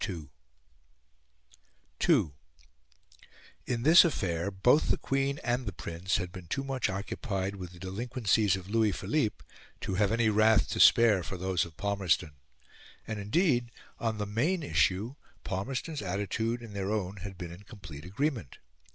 II In this affair both the Queen and the Prince had been too much occupied with the delinquencies of Louis Philippe to have any wrath to spare for those of Palmerston; and, indeed, on the main issue, Palmerston's attitude and their own had been in complete agreement.